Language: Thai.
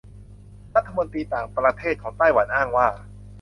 รัฐมนตรีต่างประเทศของไต้หวันอ้างว่า